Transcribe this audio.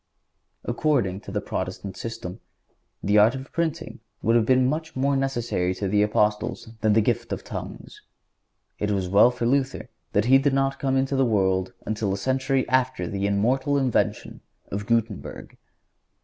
"According to the Protestant system, the art of printing would have been much more necessary to the Apostles than the gift of tongues. It was well for Luther that he did not come into the world until a century after the immortal invention of Guttenberg.